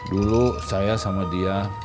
dulu saya sama dia